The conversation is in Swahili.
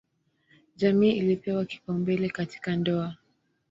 Jamii ilipewa kipaumbele katika ndoa.